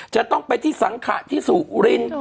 จะต้องไปที่สังขะที่สุรินทร์